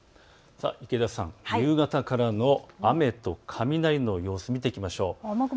池田さん、夕方からの雨と雷の様子、見ていきましょう。